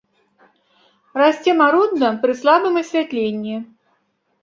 Расце марудна, пры слабым асвятленні.